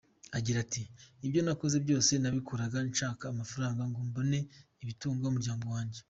Agira ati: "Ibyo nakoze byose nabikoraga nshaka amafaranga ngo mbone ibitunga umuryango wanjye.